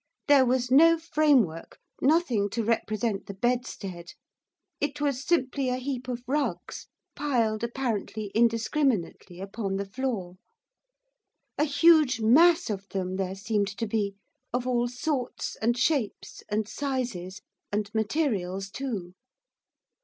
There was no framework, nothing to represent the bedstead. It was simply a heap of rugs piled apparently indiscriminately upon the floor. A huge mass of them there seemed to be; of all sorts, and shapes, and sizes, and materials too.